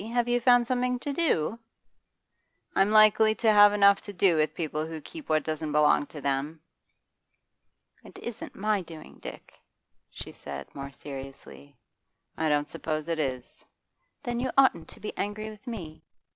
Have you found something to do?' 'I'm likely to have enough to do with people who keep what doesn't belong to them.' 'It isn't my doing, Dick,' she said more seriously. 'I don't suppose it is.' 'Then you oughtn't to be angry with me.